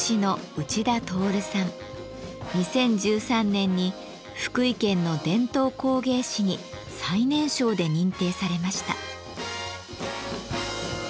２０１３年に福井県の伝統工芸士に最年少で認定されました。